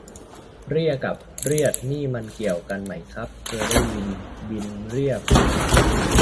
เรี่ย กับ เรียด นี่มันเกี่ยวกันไหมครับ เคยได้ยิน บินเรี่ยพื้น